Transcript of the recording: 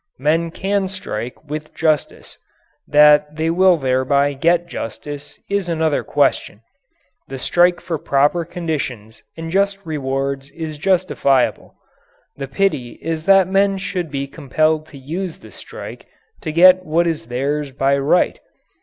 Men can strike with justice that they will thereby get justice is another question. The strike for proper conditions and just rewards is justifiable. The pity is that men should be compelled to use the strike to get what is theirs by right.